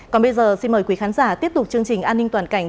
còn bây giờ xin mời quý khán giả tiếp tục chương trình an ninh toàn cảnh